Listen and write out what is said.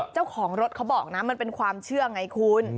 เจ้าของรถเขาบอกนะมันเป็นความเชื่อไงคุณ